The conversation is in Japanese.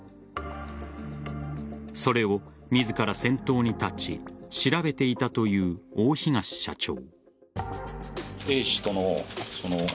それを自ら先頭に立ち調べていたという大東社長。